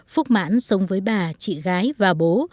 phúc mãn sống với bà chị gái và bố